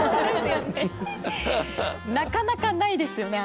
なかなかないですよね